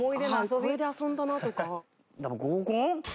これで遊んだなとか。